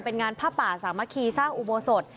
เป็นงานผ้าป่าสามัคคีสร้างอุโบสถ